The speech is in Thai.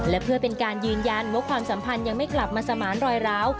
และเพื่อเป็นการยืนยันว่าความสัมพันธ์ยังไม่กลับมาสมานรอยร้าว